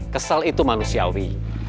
kesel itu manusiawi